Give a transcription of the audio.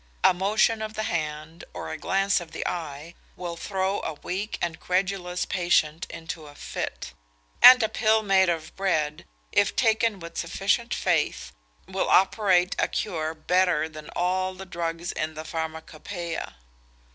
A motion of the hand, or a glance of the eye, will throw a weak and credulous patient into a fit; and a pill made of bread, if taken with sufficient faith, will operate a cure better than all the drugs in the pharmacopoeia.